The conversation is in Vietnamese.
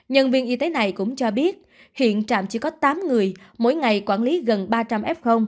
nhân viên y tế này cũng cho biết hiện trạm chỉ có tám người mỗi ngày quản lý gần ba trăm linh f